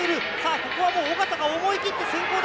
ここはもう尾方が思い切って先頭だ。